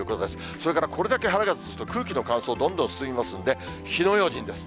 それからこれだけ晴れが続くと、空気の乾燥どんどん進みますんで、火の用心です。